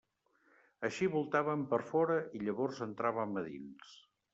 Així voltàvem per fora i llavors entràvem a dins.